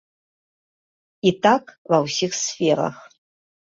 І так ва ўсіх сферах.